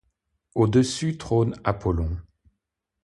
Au-dessus trône Apollon.